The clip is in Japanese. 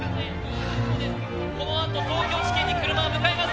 このあと東京地検に車が向かいます